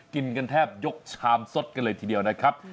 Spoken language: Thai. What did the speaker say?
กินกันแทบยกชามสดกันเลยทีเดียวนะครับ